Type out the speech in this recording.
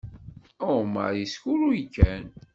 Ɛumaṛ yeskurruy kan.